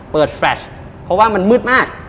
แฟลชเพราะว่ามันมืดมาก